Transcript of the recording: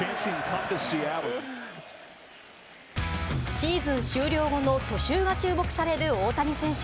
シーズン終了後の去就が注目される大谷選手。